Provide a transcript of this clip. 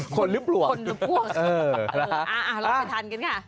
คนลึบลวกค่ะเออเราไปทานกันค่ะ